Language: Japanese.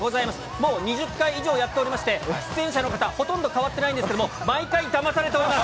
もう２０回以上やっておりまして、出演者の方、ほとんど変わってないんですけれども、毎回ダマされております。